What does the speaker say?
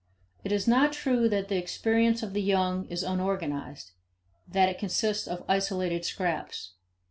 It is not true that the experience of the young is unorganized that it consists of isolated scraps.